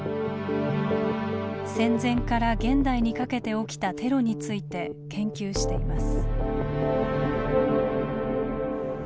戦前から現代にかけて起きたテロについて研究しています。